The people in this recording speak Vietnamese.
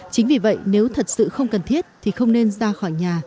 chính vì vậy nếu thật sự không cần thiết thì không nên ra khỏi nhà